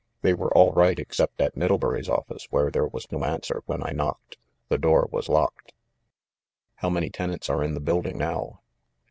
They were all right except at Middle bury's office, where there was no answer when I knocked. The door was locked." "How many tenants are in the building now